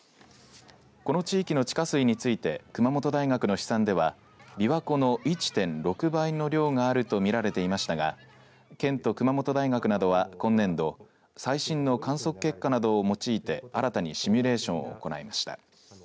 この地域の地下水について熊本大学の試算ではびわ湖の１．６倍の量があると見られていましたが県と熊本大学などは今年度最新の観測結果などを用いて新たにシミュレーションを行いました。